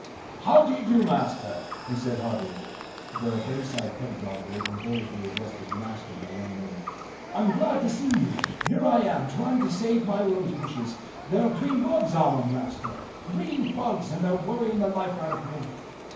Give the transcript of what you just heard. "How do you do, Master?" he said heartily. (The Bayside pedagogue was invariably addressed as "Master" by young and old.) "I'm glad to see you. Here I am, trying to save my rosebushes. There are green bugs on 'em, Master green bugs, and they're worrying the life out of me."